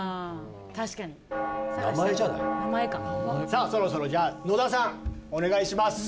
さあそろそろじゃあ野田さんお願いします。